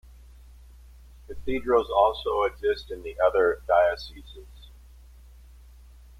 Cathedrals also exist in the other dioceses.